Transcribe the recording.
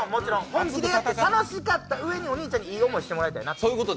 本気でやって、楽しかったうえにお兄ちゃんにいい思いをしてもらいたいなと。